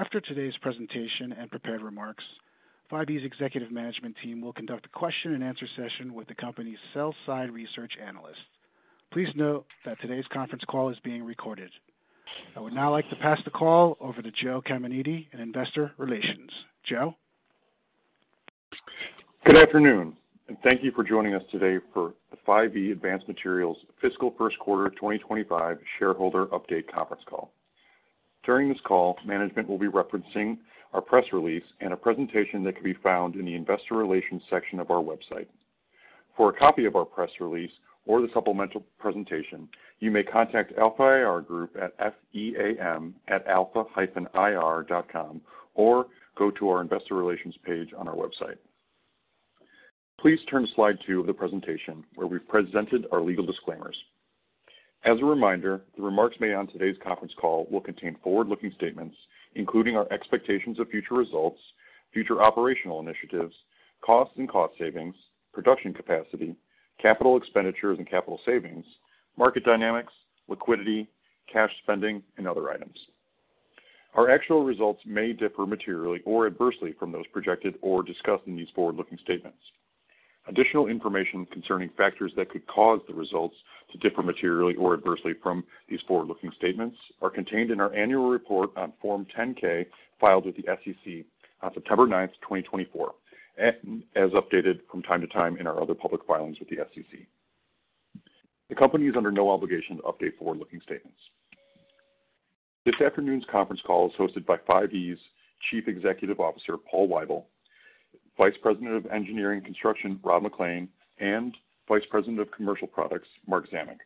After today's presentation and prepared remarks, 5E's executive management team will conduct a question-and-answer session with the company's sell-side research analyst. Please note that today's conference call is being recorded. I would now like to pass the call over to Joe Caminiti in investor relations. Joe? Good afternoon, and thank you for joining us today for the 5E Advanced Materials Fiscal First Quarter 2025 Shareholder Update conference call. During this call, management will be referencing our press release and a presentation that can be found in the investor relations section of our website. For a copy of our press release or the supplemental presentation, you may contact Alpha IR Group at feam@alpha-ir.com or go to our investor relations page on our website. Please turn to slide two of the presentation where we've presented our legal disclaimers. As a reminder, the remarks made on today's conference call will contain forward-looking statements including our expectations of future results, future operational initiatives, costs and cost savings, production capacity, capital expenditures and capital savings, market dynamics, liquidity, cash spending, and other items. Our actual results may differ materially or adversely from those projected or discussed in these forward-looking statements. Additional information concerning factors that could cause the results to differ materially or adversely from these forward-looking statements are contained in our annual report on Form 10-K filed with the SEC on September 9th, 2024, and as updated from time to time in our other public filings with the SEC. The company is under no obligation to update forward-looking statements. This afternoon's conference call is hosted by 5E's Chief Executive Officer Paul Weibel, Vice President of Engineering and Construction Rod McLean, and Vice President of Commercial Products Mark Zamek.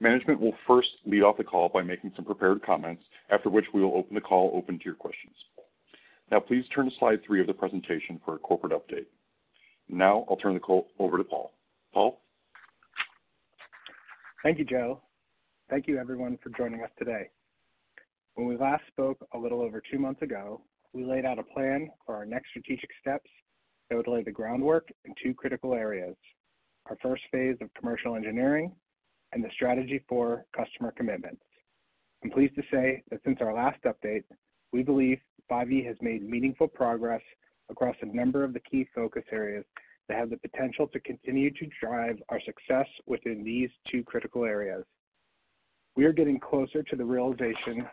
Management will first lead off the call by making some prepared comments, after which we will open the call to your questions. Now, please turn to slide three of the presentation for a corporate update. Now, I'll turn the call over to Paul. Paul? Thank you, Joe. Thank you, everyone, for joining us today. When we last spoke a little over two months ago, we laid out a plan for our next strategic steps that would lay the groundwork in two critical areas: our first phase of commercial engineering and the strategy for customer commitments. I'm pleased to say that since our last update, we believe 5E has made meaningful progress across a number of the key focus areas that have the potential to continue to drive our success within these two critical areas. We are getting closer to the realization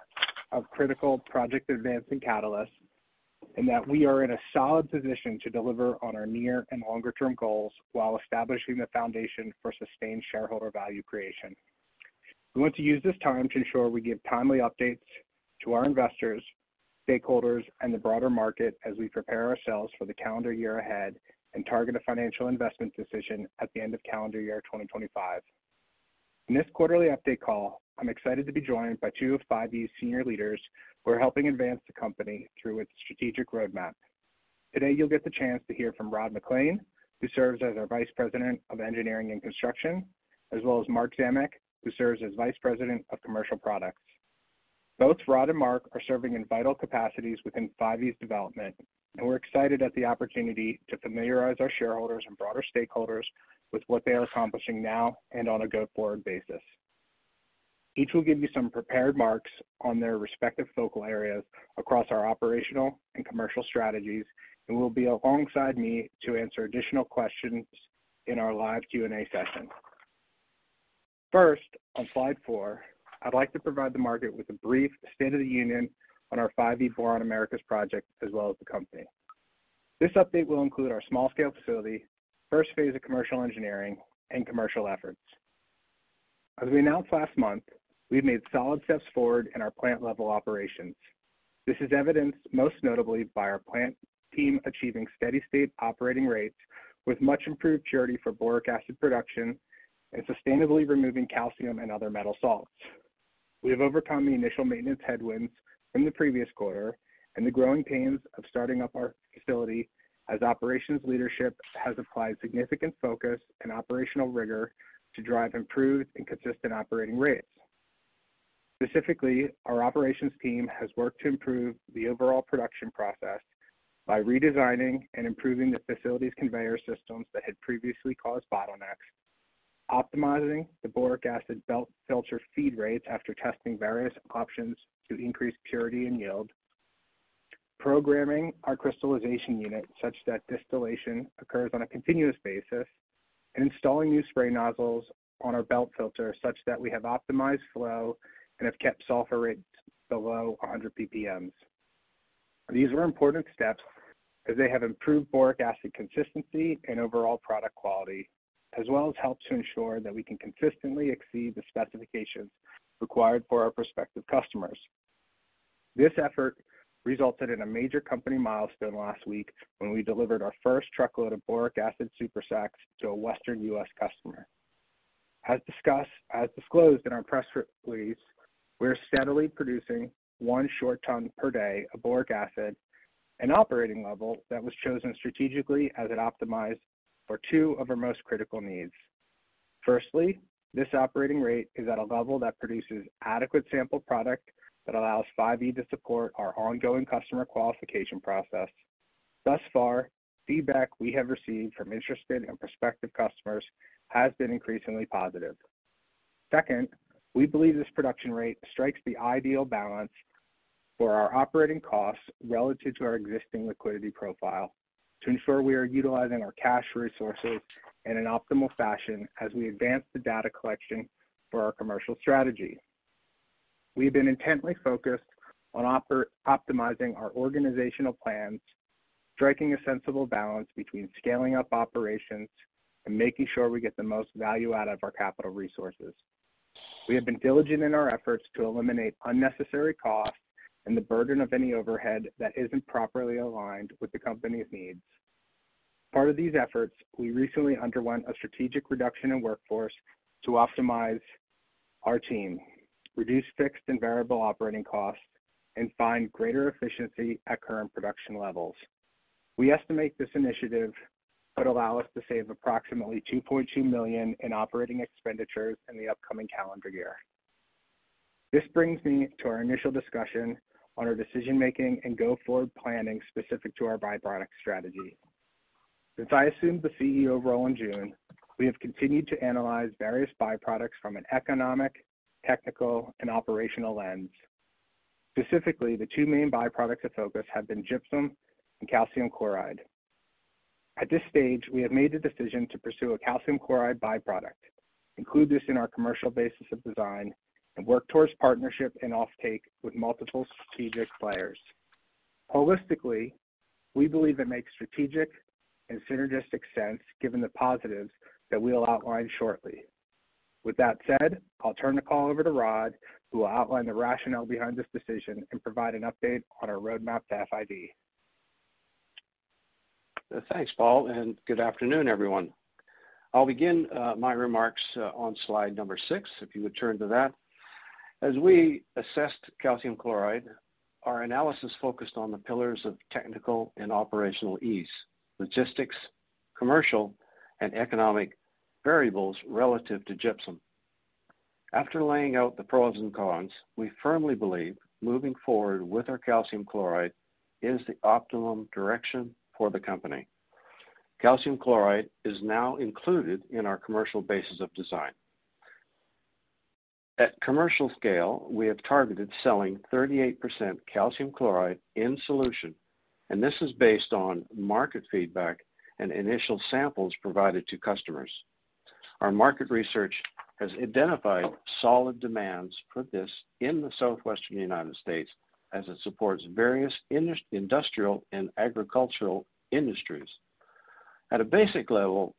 of critical project advancing catalysts and that we are in a solid position to deliver on our near and longer-term goals while establishing the foundation for sustained shareholder value creation. We want to use this time to ensure we give timely updates to our investors, stakeholders, and the broader market as we prepare ourselves for the calendar year ahead and target a financial investment decision at the end of calendar year 2025. In this quarterly update call, I'm excited to be joined by two of 5E's senior leaders who are helping advance the company through its strategic roadmap. Today, you'll get the chance to hear from Rod McLean, who serves as our Vice President of Engineering and Construction, as well as Mark Zamek, who serves as Vice President of Commercial Products. Both Rod and Mark are serving in vital capacities within 5E's development, and we're excited at the opportunity to familiarize our shareholders and broader stakeholders with what they are accomplishing now and on a go-forward basis. Each will give you some prepared remarks on their respective focal areas across our operational and commercial strategies, and will be alongside me to answer additional questions in our live Q&A session. First, on slide four, I'd like to provide the market with a brief state of the union on our 5E Boron Americas project as well as the company. This update will include our small-scale facility, first phase of commercial engineering, and commercial efforts. As we announced last month, we've made solid steps forward in our plant-level operations. This is evidenced most notably by our plant team achieving steady-state operating rates with much improved purity for boric acid production and sustainably removing calcium and other metal salts. We have overcome the initial maintenance headwinds from the previous quarter and the growing pains of starting up our facility as operations leadership has applied significant focus and operational rigor to drive improved and consistent operating rates. Specifically, our operations team has worked to improve the overall production process by redesigning and improving the facility's conveyor systems that had previously caused bottlenecks, optimizing the boric acid belt filter FEED rates after testing various options to increase purity and yield, programming our crystallization unit such that distillation occurs on a continuous basis, and installing new spray nozzles on our belt filter such that we have optimized flow and have kept sulfur rates below 100 ppm. These were important steps as they have improved boric acid consistency and overall product quality, as well as helped to ensure that we can consistently exceed the specifications required for our prospective customers. This effort resulted in a major company milestone last week when we delivered our first truckload of boric acid super sacks to a Western U.S. customer. As disclosed in our press release, we are steadily producing one short ton per day of boric acid, an operating level that was chosen strategically as it optimized for two of our most critical needs. Firstly, this operating rate is at a level that produces adequate sample product that allows 5E to support our ongoing customer qualification process. Thus far, feedback we have received from interested and prospective customers has been increasingly positive. Second, we believe this production rate strikes the ideal balance for our operating costs relative to our existing liquidity profile to ensure we are utilizing our cash resources in an optimal fashion as we advance the data collection for our commercial strategy. We have been intently focused on optimizing our organizational plans, striking a sensible balance between scaling up operations and making sure we get the most value out of our capital resources. We have been diligent in our efforts to eliminate unnecessary costs and the burden of any overhead that isn't properly aligned with the company's needs. As part of these efforts, we recently underwent a strategic reduction in workforce to optimize our team, reduce fixed and variable operating costs, and find greater efficiency at current production levels. We estimate this initiative could allow us to save approximately $2.2 million in operating expenditures in the upcoming calendar year. This brings me to our initial discussion on our decision-making and go-forward planning specific to our byproduct strategy. Since I assumed the CEO role in June, we have continued to analyze various byproducts from an economic, technical, and operational lens. Specifically, the two main byproducts of focus have been gypsum and calcium chloride. At this stage, we have made the decision to pursue a calcium chloride byproduct, include this in our commercial basis of design, and work towards partnership and offtake with multiple strategic players. Holistically, we believe it makes strategic and synergistic sense given the positives that we'll outline shortly. With that said, I'll turn the call over to Rod, who will outline the rationale behind this decision and provide an update on our roadmap to FID. Thanks, Paul, and good afternoon, everyone. I'll begin my remarks on slide number six, if you would turn to that. As we assessed calcium chloride, our analysis focused on the pillars of technical and operational ease, logistics, commercial, and economic variables relative to gypsum. After laying out the pros and cons, we firmly believe moving forward with our calcium chloride is the optimum direction for the company. Calcium chloride is now included in our commercial basis of design. At commercial scale, we have targeted selling 38% calcium chloride in solution, and this is based on market feedback and initial samples provided to customers. Our market research has identified solid demands for this in the Southwestern United States as it supports various industrial and agricultural industries. At a basic level,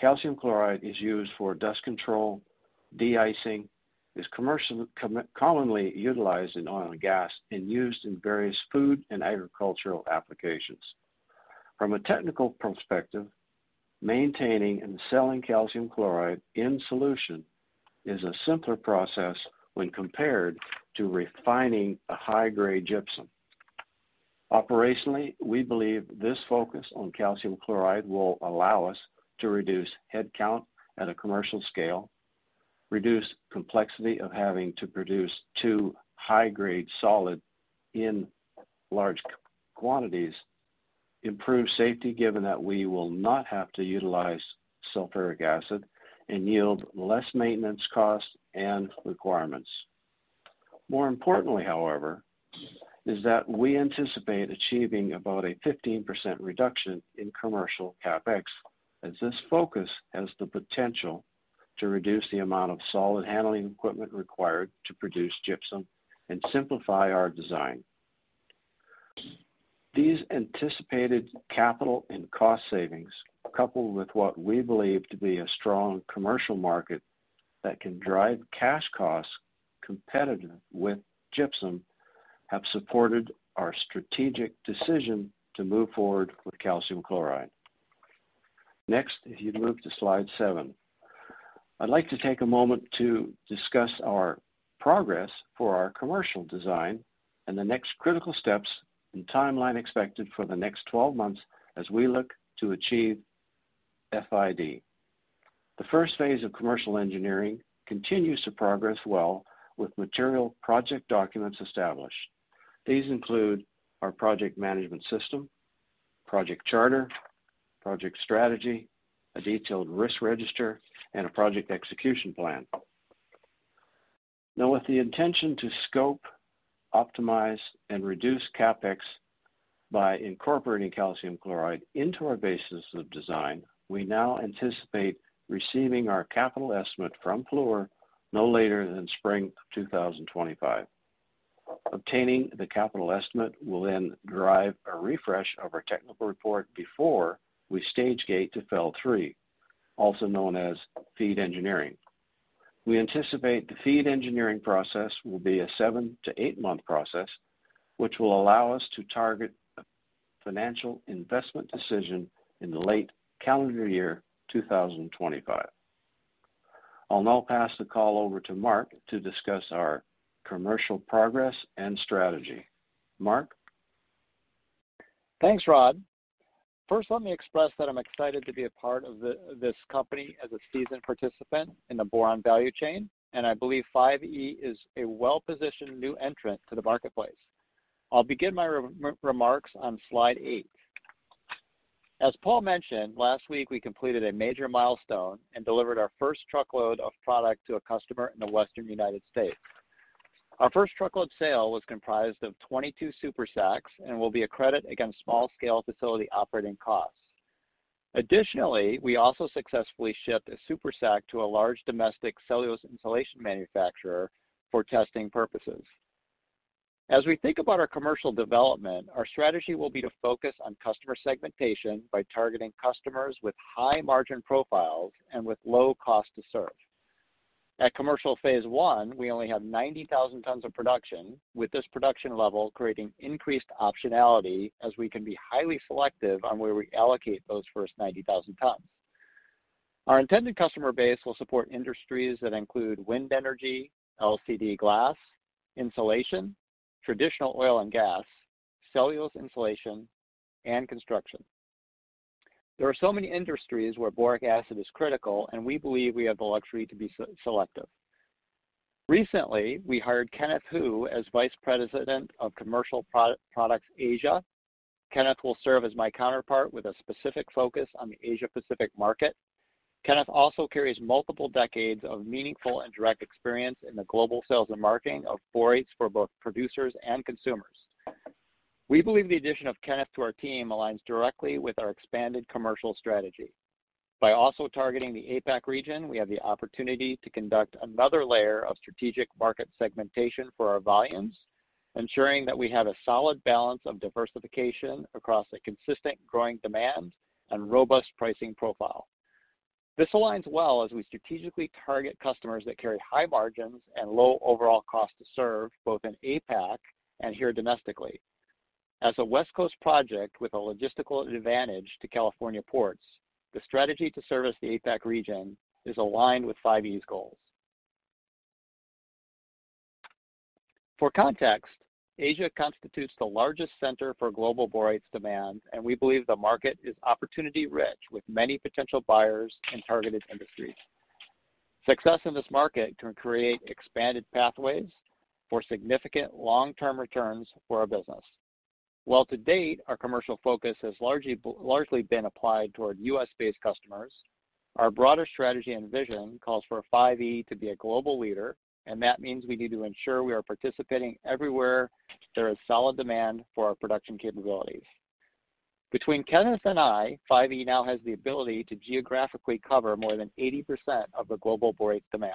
calcium chloride is used for dust control, de-icing, is commonly utilized in oil and gas, and used in various food and agricultural applications. From a technical perspective, maintaining and selling calcium chloride in solution is a simpler process when compared to refining a high-grade gypsum. Operationally, we believe this focus on calcium chloride will allow us to reduce headcount at a commercial scale, reduce the complexity of having to produce two high-grade solids in large quantities, improve safety given that we will not have to utilize sulfuric acid, and yield less maintenance costs and requirements. More importantly, however, is that we anticipate achieving about a 15% reduction in commercial CapEx as this focus has the potential to reduce the amount of solid handling equipment required to produce gypsum and simplify our design. These anticipated capital and cost savings, coupled with what we believe to be a strong commercial market that can drive cash costs competitive with gypsum, have supported our strategic decision to move forward with calcium chloride. Next, if you'd move to slide seven, I'd like to take a moment to discuss our progress for our commercial design and the next critical steps and timeline expected for the next 12 months as we look to achieve FID. The first phase of commercial engineering continues to progress well with material project documents established. These include our project management system, project charter, project strategy, a detailed risk register, and a project execution plan. Now, with the intention to scope, optimize, and reduce CapEx by incorporating calcium chloride into our basis of design, we now anticipate receiving our capital estimate from Fluor no later than spring 2025. Obtaining the capital estimate will then drive a refresh of our technical report before we stage gate to FEL-3, also known as FEED engineering. We anticipate the FEED engineering process will be a seven- to eight-month process, which will allow us to target a financial investment decision in the late calendar year 2025. I'll now pass the call over to Mark to discuss our commercial progress and strategy. Mark. Thanks, Rod. First, let me express that I'm excited to be a part of this company as a seasoned participant in the Boron Value Chain, and I believe 5E is a well-positioned new entrant to the marketplace. I'll begin my remarks on slide eight. As Paul mentioned, last week we completed a major milestone and delivered our first truckload of product to a customer in the Western United States. Our first truckload sale was comprised of 22 super sacks and will be a credit against small-scale facility operating costs. Additionally, we also successfully shipped a super sack to a large domestic cellulose insulation manufacturer for testing purposes. As we think about our commercial development, our strategy will be to focus on customer segmentation by targeting customers with high margin profiles and with low cost to serve. At commercial phase one, we only have 90,000 tons of production, with this production level creating increased optionality as we can be highly selective on where we allocate those first 90,000 tons. Our intended customer base will support industries that include wind energy, LCD glass, insulation, traditional oil and gas, cellulose insulation, and construction. There are so many industries where boric acid is critical, and we believe we have the luxury to be selective. Recently, we hired Kenneth Hu as Vice President of Commercial Products Asia. Kenneth will serve as my counterpart with a specific focus on the Asia-Pacific market. Kenneth also carries multiple decades of meaningful and direct experience in the global sales and marketing of borates for both producers and consumers. We believe the addition of Kenneth to our team aligns directly with our expanded commercial strategy. By also targeting the APAC region, we have the opportunity to conduct another layer of strategic market segmentation for our volumes, ensuring that we have a solid balance of diversification across a consistent growing demand and robust pricing profile. This aligns well as we strategically target customers that carry high margins and low overall cost to serve both in APAC and here domestically. As a West Coast project with a logistical advantage to California ports, the strategy to service the APAC region is aligned with 5E's goals. For context, Asia constitutes the largest center for global borates demand, and we believe the market is opportunity-rich with many potential buyers and targeted industries. Success in this market can create expanded pathways for significant long-term returns for our business. While to date, our commercial focus has largely been applied toward U.S.-based customers, our broader strategy and vision calls for 5E to be a global leader, and that means we need to ensure we are participating everywhere there is solid demand for our production capabilities. Between Kenneth and I, 5E now has the ability to geographically cover more than 80% of the global borate demand.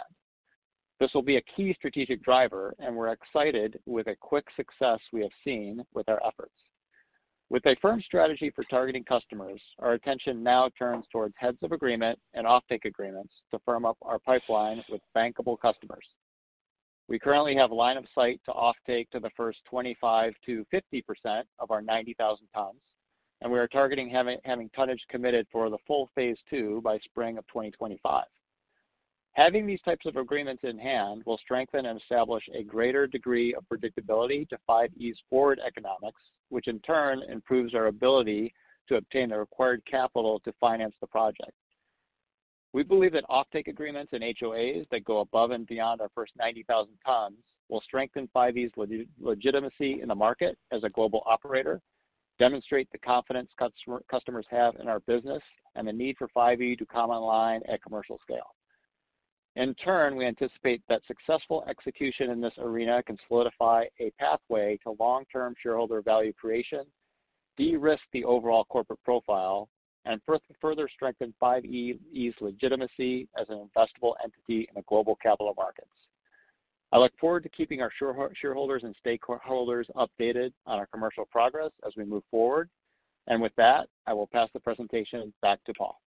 This will be a key strategic driver, and we're excited with the quick success we have seen with our efforts. With a firm strategy for targeting customers, our attention now turns towards Heads of Agreement and offtake agreements to firm up our pipeline with bankable customers. We currently have a line of sight to offtake to the first 25%-50% of our 90,000 tons, and we are targeting having tonnage committed for the full phase two by spring of 2025. Having these types of agreements in hand will strengthen and establish a greater degree of predictability to 5E's forward economics, which in turn improves our ability to obtain the required capital to finance the project. We believe that offtake agreements and HOAs that go above and beyond our first 90,000 tons will strengthen 5E's legitimacy in the market as a global operator, demonstrate the confidence customers have in our business, and the need for 5E to come online at commercial scale. In turn, we anticipate that successful execution in this arena can solidify a pathway to long-term shareholder value creation, de-risk the overall corporate profile, and further strengthen 5E's legitimacy as an investable entity in the global capital markets. I look forward to keeping our shareholders and stakeholders updated on our commercial progress as we move forward, and with that, I will pass the presentation back to Paul.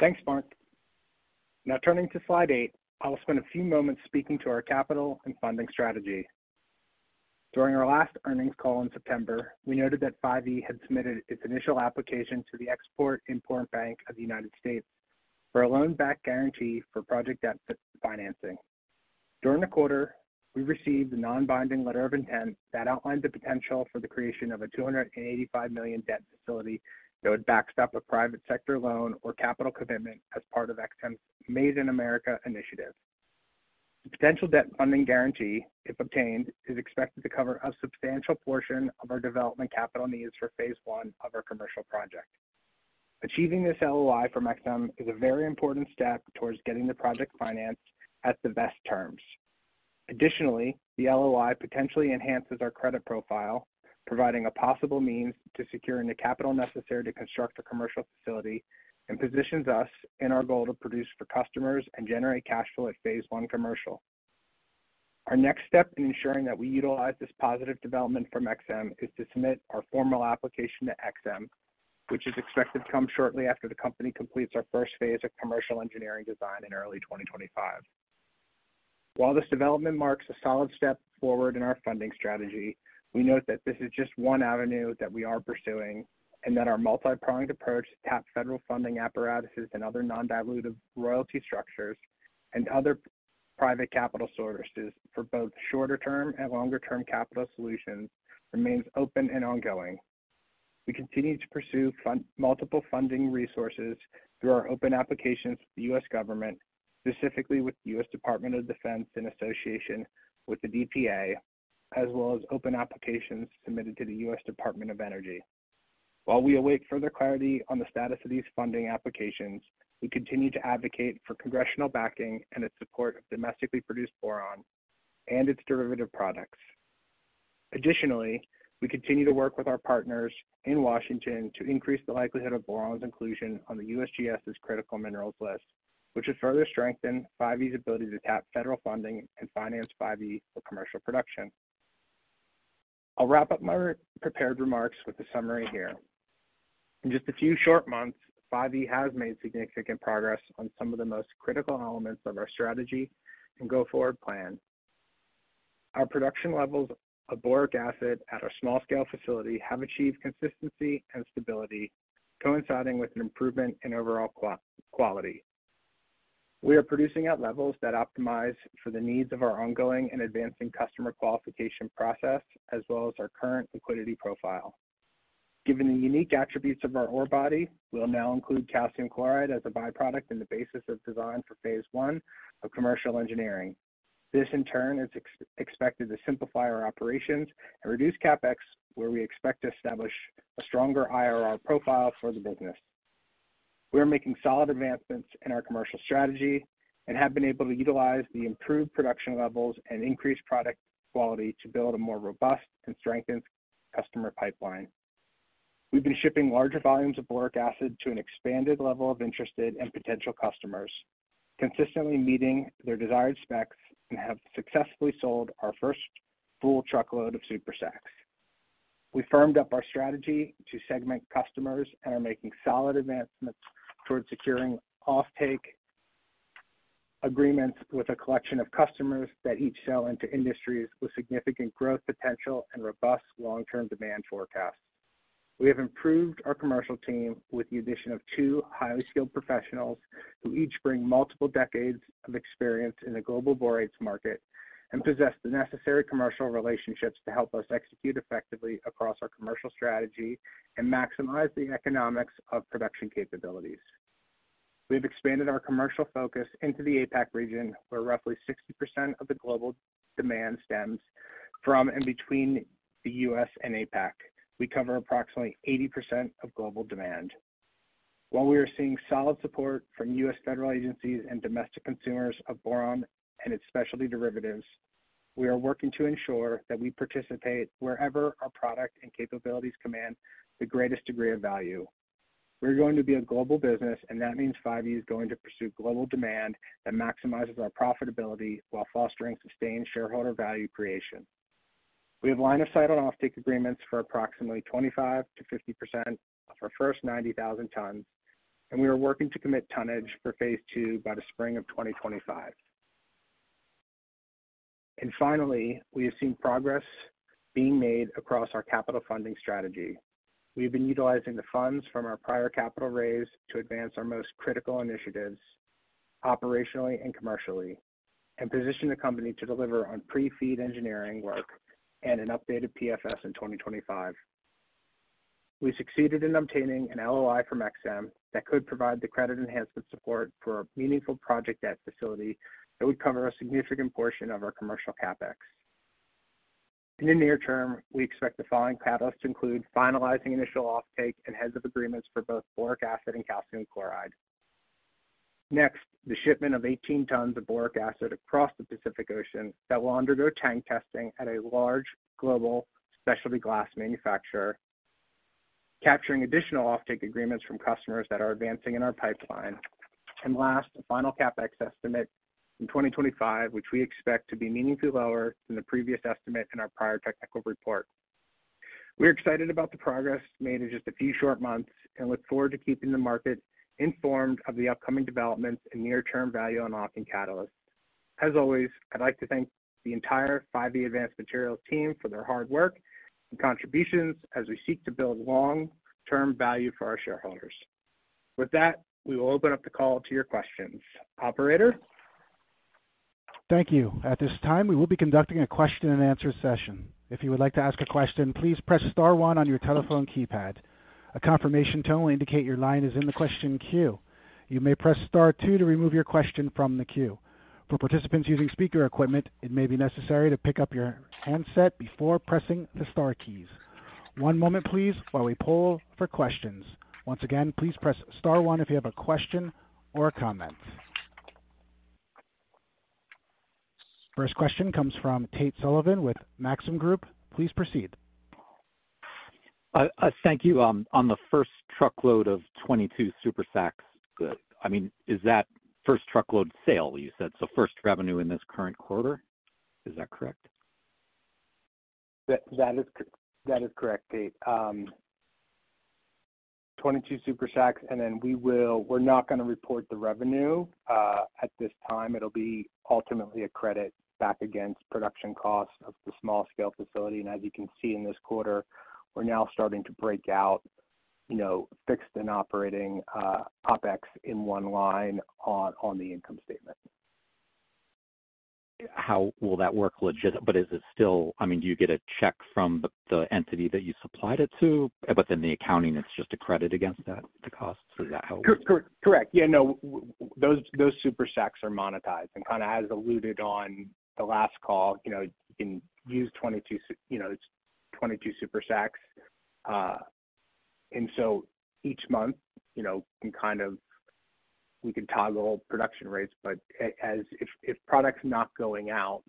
Thanks, Mark. Now, turning to slide eight, I'll spend a few moments speaking to our capital and funding strategy. During our last earnings call in September, we noted that 5E had submitted its initial application to the Export-Import Bank of the United States for a loan-backed guarantee for project debt financing. During the quarter, we received a non-binding letter of intent that outlined the potential for the creation of a $285 million debt facility that would backstop a private sector loan or capital commitment as part of EXIM's Made in America initiative. The potential debt funding guarantee, if obtained, is expected to cover a substantial portion of our development capital needs for phase one of our commercial project. Achieving this LOI from EXIM is a very important step towards getting the project financed at the best terms. Additionally, the LOI potentially enhances our credit profile, providing a possible means to secure the capital necessary to construct a commercial facility and positions us in our goal to produce for customers and generate cash flow at phase one commercial. Our next step in ensuring that we utilize this positive development from EXIM is to submit our formal application to EXIM, which is expected to come shortly after the company completes our first phase of commercial engineering design in early 2025. While this development marks a solid step forward in our funding strategy, we note that this is just one avenue that we are pursuing and that our multi-pronged approach to tap federal funding apparatuses and other non-dilutive royalty structures and other private capital sources for both shorter-term and longer-term capital solutions remains open and ongoing. We continue to pursue multiple funding resources through our open applications to the U.S. government, specifically with the U.S. Department of Defense in association with the DPA, as well as open applications submitted to the U.S. Department of Energy. While we await further clarity on the status of these funding applications, we continue to advocate for congressional backing and its support of domestically produced boron and its derivative products. Additionally, we continue to work with our partners in Washington to increase the likelihood of boron's inclusion on the USGS's critical minerals list, which would further strengthen 5E's ability to tap federal funding and finance 5E for commercial production. I'll wrap up my prepared remarks with a summary here. In just a few short months, 5E has made significant progress on some of the most critical elements of our strategy and go-forward plan. Our production levels of boric acid at our small-scale facility have achieved consistency and stability, coinciding with an improvement in overall quality. We are producing at levels that optimize for the needs of our ongoing and advancing customer qualification process, as well as our current liquidity profile. Given the unique attributes of our ore body, we'll now include calcium chloride as a byproduct in the basis of design for phase one of commercial engineering. This, in turn, is expected to simplify our operations and reduce CapEx, where we expect to establish a stronger IRR profile for the business. We are making solid advancements in our commercial strategy and have been able to utilize the improved production levels and increased product quality to build a more robust and strengthened customer pipeline. We've been shipping larger volumes of boric acid to an expanded level of interested and potential customers, consistently meeting their desired specs and have successfully sold our first full truckload of super sacks. We've firmed up our strategy to segment customers and are making solid advancements towards securing offtake agreements with a collection of customers that each sell into industries with significant growth potential and robust long-term demand forecasts. We have improved our commercial team with the addition of two highly skilled professionals who each bring multiple decades of experience in the global borates market and possess the necessary commercial relationships to help us execute effectively across our commercial strategy and maximize the economics of production capabilities. We have expanded our commercial focus into the APAC region, where roughly 60% of the global demand stems from and between the U.S. and APAC. We cover approximately 80% of global demand. While we are seeing solid support from U.S. Federal agencies and domestic consumers of boron and its specialty derivatives, we are working to ensure that we participate wherever our product and capabilities command the greatest degree of value. We're going to be a global business, and that means 5E is going to pursue global demand that maximizes our profitability while fostering sustained shareholder value creation. We have line of sight on offtake agreements for approximately 25%-50% of our first 90,000 tons, and we are working to commit tonnage for phase two by the spring of 2025. And finally, we have seen progress being made across our capital funding strategy. We have been utilizing the funds from our prior capital raise to advance our most critical initiatives operationally and commercially and position the company to deliver on pre-FEED engineering work and an updated PFS in 2025. We succeeded in obtaining an LOI from EXIM that could provide the credit enhancement support for a meaningful project debt facility that would cover a significant portion of our commercial CapEx. In the near term, we expect the following catalysts to include finalizing initial offtake and Heads of Agreements for both boric acid and calcium chloride. Next, the shipment of 18 tons of boric acid across the Pacific Ocean that will undergo tank testing at a large global specialty glass manufacturer, capturing additional offtake agreements from customers that are advancing in our pipeline. And last, a final CapEx estimate in 2025, which we expect to be meaningfully lower than the previous estimate in our prior technical report. We are excited about the progress made in just a few short months and look forward to keeping the market informed of the upcoming developments and near-term value unlocking catalysts. As always, I'd like to thank the entire 5E Advanced Materials team for their hard work and contributions as we seek to build long-term value for our shareholders. With that, we will open up the call to your questions. Operator? Thank you. At this time, we will be conducting a question-and-answer session. If you would like to ask a question, please press Star 1 on your telephone keypad. A confirmation tone will indicate your line is in the question queue. You may press Star 2 to remove your question from the queue. For participants using speaker equipment, it may be necessary to pick up your handset before pressing the Star keys. One moment, please, while we poll for questions. Once again, please press Star 1 if you have a question or a comment. First question comes from Tate Sullivan with Maxim Group. Please proceed. Thank you. On the first truckload of 22 super sacks, I mean, is that first truckload sale, you said, so first revenue in this current quarter? Is that correct? That is correct, Tate. 22 super sacks, and then we're not going to report the revenue at this time. It'll be ultimately a credit back against production costs of the small-scale facility, and as you can see in this quarter, we're now starting to break out fixed and operating OpEx in one line on the income statement. How will that work? But is it still, I mean, do you get a check from the entity that you supplied it to? But then the accounting, it's just a credit against that, the cost? Is that how? Correct. Yeah, no, those super sacks are monetized. And kind of as alluded on the last call, you can use 22 super sacks. And so each month, we can kind of toggle production rates. But if product's not going out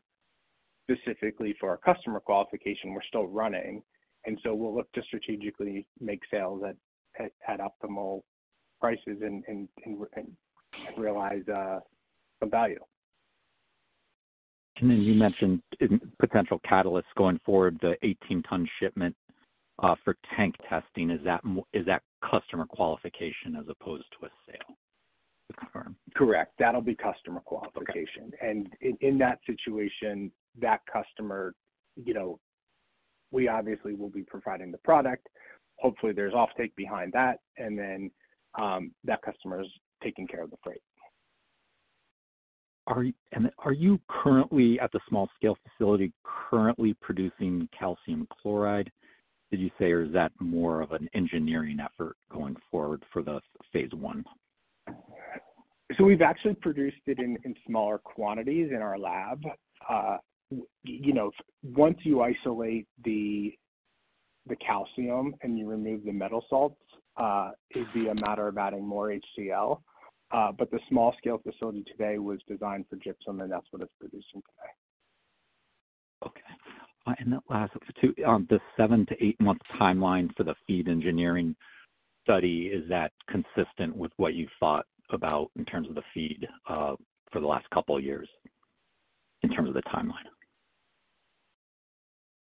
specifically for our customer qualification, we're still running. And so we'll look to strategically make sales at optimal prices and realize the value. And then you mentioned potential catalysts going forward, the 18-ton shipment for tank testing. Is that customer qualification as opposed to a sale? Correct. That'll be customer qualification, and in that situation, that customer, we obviously will be providing the product. Hopefully, there's offtake behind that, and then that customer is taking care of the freight. Are you currently at the small-scale facility producing calcium chloride, did you say, or is that more of an engineering effort going forward for the phase one? So we've actually produced it in smaller quantities in our lab. Once you isolate the calcium and you remove the metal salts, it'd be a matter of adding more HCl. But the small-scale facility today was designed for gypsum, and that's what it's producing today. Okay. And that last one, the seven-to-eight-month timeline for the FEED engineering study, is that consistent with what you thought about in terms of the FEED for the last couple of years in terms of the timeline?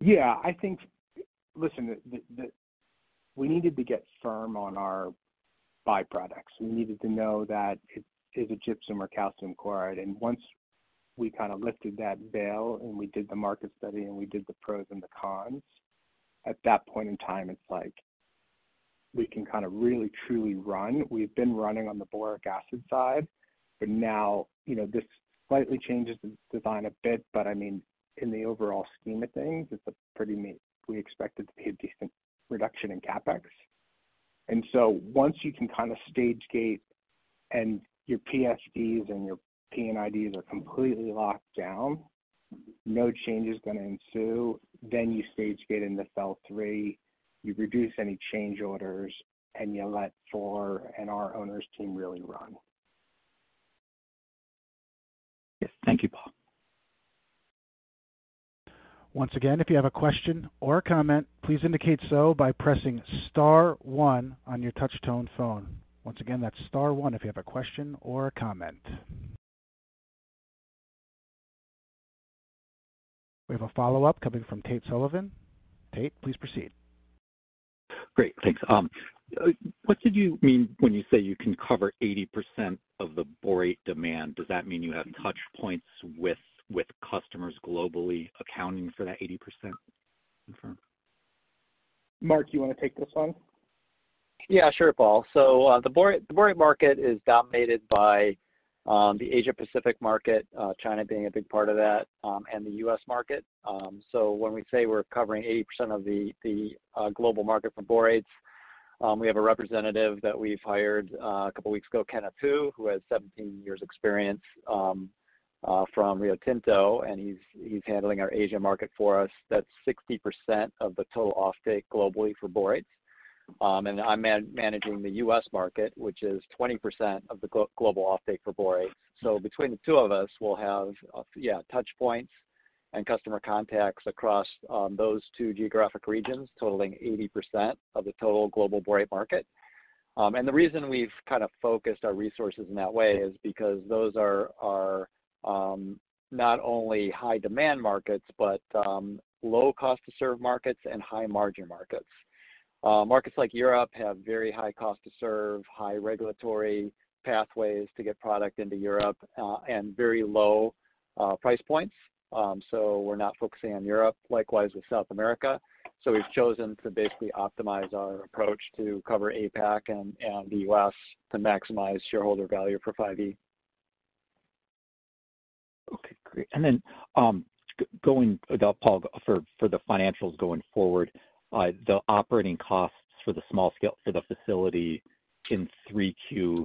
Yeah. Listen, we needed to get firm on our byproducts. We needed to know that it is a gypsum or calcium chloride, and once we kind of lifted that veil and we did the market study and we did the pros and the cons, at that point in time, it's like we can kind of really, truly run. We've been running on the boric acid side, but now this slightly changes the design a bit, but I mean, in the overall scheme of things, we expected to see a decent reduction in CapEx, and so once you can kind of stage gate and your PFDs and your P&IDs are completely locked down, no change is going to ensue, then you stage gate into FEL-3, you reduce any change orders, and you let Fluor and our owners' team really run. Thank you, Paul. Once again, if you have a question or a comment, please indicate so by pressing Star 1 on your touch-tone phone. Once again, that's Star 1 if you have a question or a comment. We have a follow-up coming from Tate Sullivan. Tate, please proceed. Great. Thanks. What did you mean when you say you can cover 80% of the borate demand? Does that mean you have touch points with customers globally accounting for that 80%? Mark, you want to take this one? Yeah, sure, Paul. So the borate market is dominated by the Asia-Pacific market, China being a big part of that, and the U.S. market. So when we say we're covering 80% of the global market for borates, we have a representative that we've hired a couple of weeks ago, Kenneth Hu, who has 17 years' experience from Rio Tinto, and he's handling our Asia market for us. That's 60% of the total offtake globally for borates. And I'm managing the U.S. market, which is 20% of the global offtake for borates. So between the two of us, we'll have, yeah, touch points and customer contacts across those two geographic regions totaling 80% of the total global borate market. And the reason we've kind of focused our resources in that way is because those are not only high-demand markets, but low-cost-to-serve markets and high-margin markets. Markets like Europe have very high cost-to-serve, high regulatory pathways to get product into Europe, and very low price points. So we're not focusing on Europe. Likewise, with South America. So we've chosen to basically optimize our approach to cover APAC and the U.S. to maximize shareholder value for 5E. Okay. Great. And then going about, Paul, for the financials going forward, the operating costs for the small-scale for the facility in 3Q,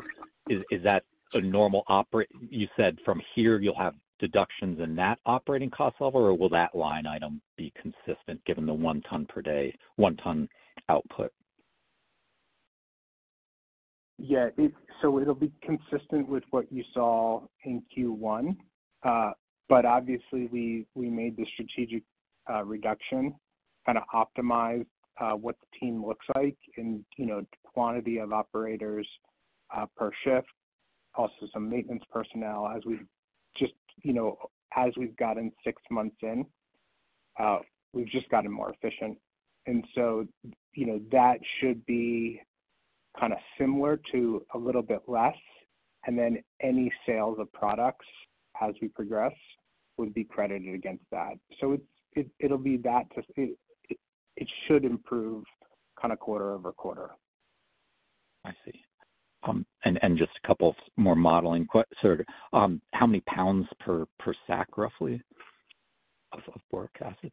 is that a normal op rate? You said from here, you'll have deductions in that operating cost level, or will that line item be consistent given the one-ton per day, one-ton output? Yeah. So it'll be consistent with what you saw in Q1. But obviously, we made the strategic reduction, kind of optimized what the team looks like in quantity of operators per shift, also some maintenance personnel. As we've gotten six months in, we've just gotten more efficient. And so that should be kind of similar to a little bit less. And then any sales of products as we progress would be credited against that. So it'll be that. It should improve kind of quarter over quarter. I see. And just a couple more modeling questions. How many pounds per sack, roughly, of boric acid?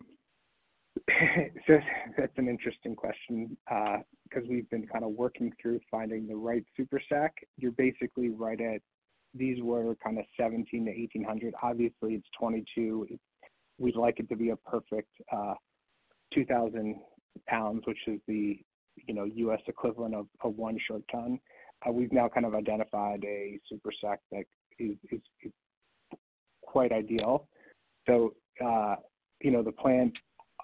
That's an interesting question because we've been kind of working through finding the right super sack. You're basically right; these were kind of 1,700-1,800. Obviously, it's 2,000. We'd like it to be a perfect 2,000 pounds, which is the U.S. equivalent of one short ton. We've now kind of identified a super sack that is quite ideal. So the plant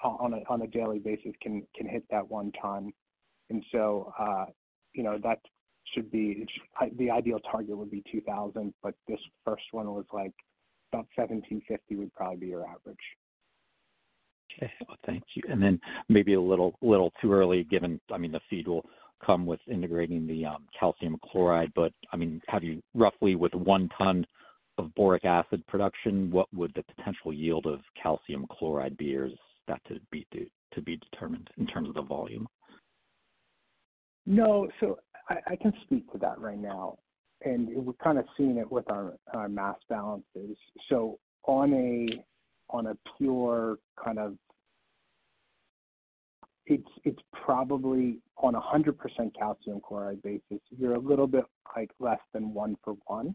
on a daily basis can hit that one ton. And so that should be the ideal target would be 2,000, but this first one was like about 1,750 would probably be your average. Okay. Thank you, and then maybe a little too early given, I mean, the FEED will come with integrating the calcium chloride, but I mean, roughly with one ton of boric acid production, what would the potential yield of calcium chloride be as have to be determined in terms of the volume? No. So I can speak to that right now. And we're kind of seeing it with our mass balances. So on a pure kind of, it's probably on a 100% calcium chloride basis, you're a little bit less than one for one.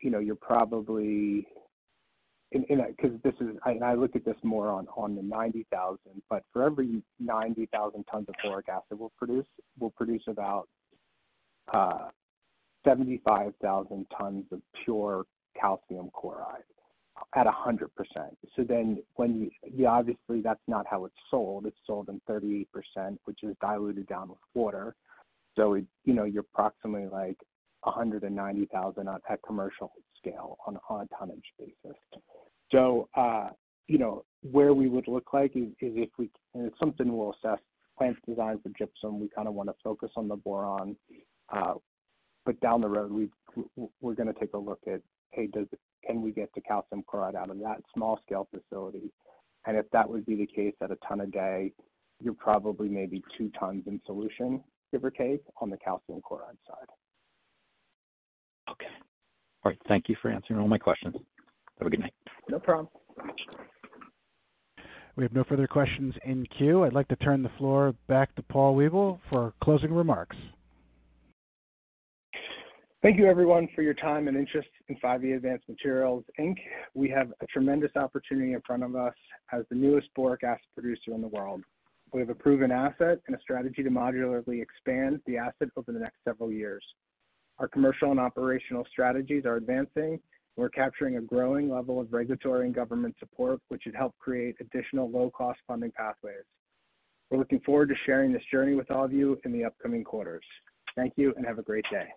You're probably because this is, and I look at this more on the 90,000, but for every 90,000 tons of boric acid, we'll produce about 75,000 tons of pure calcium chloride at 100%. So then when you, obviously, that's not how it's sold. It's sold in 38%, which is diluted down with water. So you're approximately like 190,000 at commercial scale on a tonnage basis. So where we would look like is if we and it's something we'll assess. Plant design for gypsum, we kind of want to focus on the boron. But down the road, we're going to take a look at, hey, can we get the calcium chloride out of that small-scale facility? And if that would be the case at a ton a day, you're probably maybe two tons in solution, give or take, on the calcium chloride side. Okay. All right. Thank you for answering all my questions. Have a good night. No problem. We have no further questions in queue. I'd like to turn the floor back to Paul Weibel for closing remarks. Thank you, everyone, for your time and interest in 5E Advanced Materials, Inc. We have a tremendous opportunity in front of us as the newest boric acid producer in the world. We have a proven asset and a strategy to modularly expand the asset over the next several years. Our commercial and operational strategies are advancing, and we're capturing a growing level of regulatory and government support, which should help create additional low-cost funding pathways. We're looking forward to sharing this journey with all of you in the upcoming quarters. Thank you and have a great day.